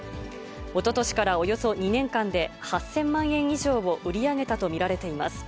おととしからおよそ２年間で、８０００万円以上を売り上げたと見られています。